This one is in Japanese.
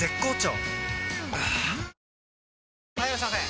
はぁ・はいいらっしゃいませ！